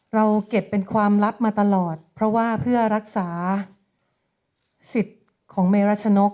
เราเก็บเป็นความลับมาตลอดเพราะว่าเพื่อรักษาสิทธิ์ของเมรัชนก